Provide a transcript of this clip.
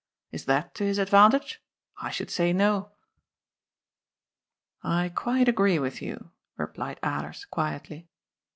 Is that to his advantage ? I should say No." 336 GOD'S POOL, " I quite agree with you, replied Alers quietly.